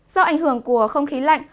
do ảnh hưởng của không khí lạnh